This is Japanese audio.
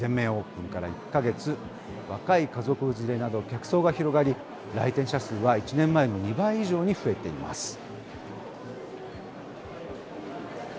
全面オープンから１か月、若い家族連れなど客層が広がり、来店者数は１年前の２倍以上に増えています。